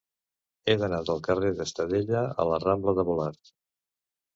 He d'anar del carrer d'Estadella a la rambla de Volart.